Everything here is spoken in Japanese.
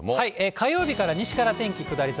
火曜日から、西から天気下り坂。